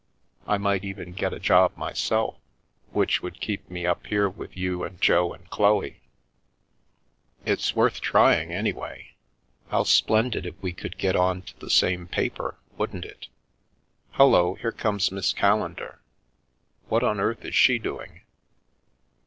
I might even get a job myself, which would keep me up here with you and Jo and Chloe." " It's worth trying, anyway. How splendid if we could get on to the same paper, wouldn't it? Hullo, here comes Miss Callendar. What on earth is she do ing?"